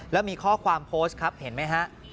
แล้วมีข้อความโพสต์ครับเห็นไหมฮะ